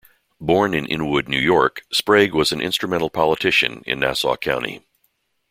Born in Inwood, New York, Sprague was an instrumental politician in Nassau County.